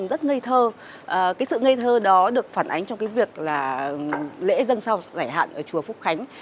rất ngây thơ cái sự ngây thơ đó được phản ánh trong cái việc là lễ dân sao giải hạn ở chùa phúc khánh